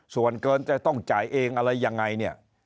ส่วนเกินจะต้องจ่ายเองอะไรยังไงเนี่ย